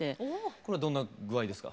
これはどんな具合ですか？